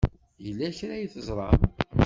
Yella kra ay teẓram?